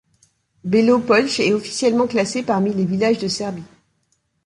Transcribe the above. Belo Polje est officiellement classé parmi les villages de Serbie.